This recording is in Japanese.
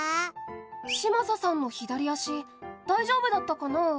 嶋佐さんの左足大丈夫だったかなあ。